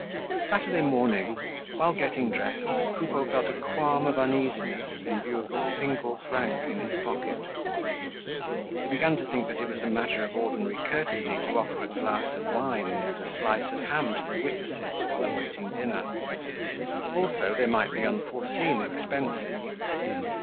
Saturday morning, while getting dressed, Coupeau felt a qualm of uneasiness in view of the single franc in his pocket. He began to think that it was a matter of ordinary courtesy to offer a glass of wine and a slice of ham to the witnesses while awaiting dinner. Also, there might be unforeseen expenses.